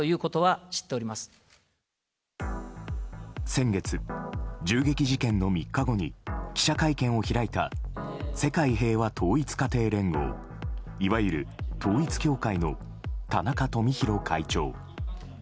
先月、銃撃事件の３日後に記者会見を開いた世界平和統一家庭連合いわゆる統一教会の田中富広会長。